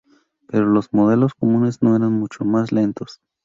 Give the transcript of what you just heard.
Pero los modelos comunes no eran mucho más lentos.